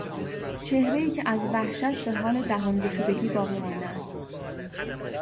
چهرهای که از وحشت بهحال دهان گشودگی باقیمانده است